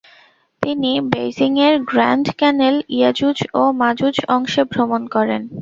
তিনি বেইজিংএর গ্রান্ড ক্যানেল, ইয়াজুজ ও মাজুজ অংশে ভ্রমণ করেন।